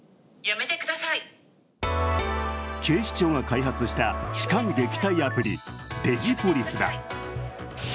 警視庁が開発した痴漢撃退アプリ、デジポリスだ。